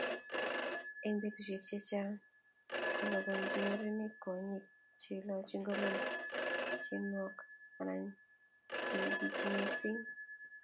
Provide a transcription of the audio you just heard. eng betusiek chechang kolopchini murenik kwonyik cheilochi ngoroik che nuok anan cheikichi mising